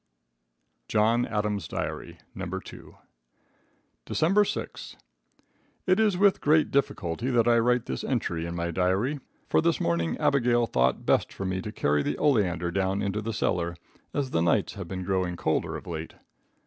John Adams' Diary. (No. 2.) December 6. It is with great difficulty that I write this entry in my diary, for this morning Abigail thought best for me to carry the oleander down into the cellar, as the nights have been growing colder of late.